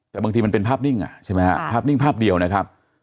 แต่บางทีมันเป็นภาพนิ่งอ่ะใช่ไหมฮะภาพนิ่งภาพเดียวนะครับ